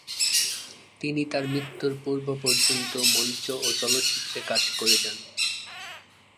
তিনি তার মৃত্যুর পূর্ব পর্যন্ত মঞ্চ ও চলচ্চিত্রে কাজ করে যান।